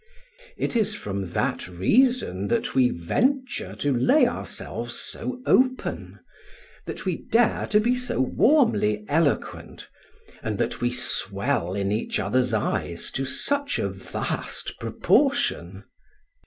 It is from that reason that we venture to lay ourselves so open, that we dare to be so warmly eloquent, and that we swell in each other's eyes to such a vast proportion.